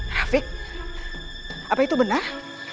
rafiq apa itu benar